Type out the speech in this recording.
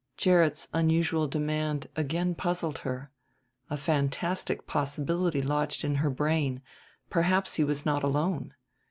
Gerrit's unusual demand again puzzled her. A fantastic possibility lodged in her brain perhaps he was not alone.